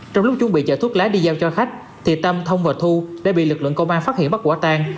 trong lúc chuẩn bị chở thuốc lá đi giao cho khách thì tâm thông và thu đã bị lực lượng công an phát hiện bắt quả tang